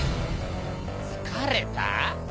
つかれた？